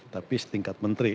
tapi setingkat menteri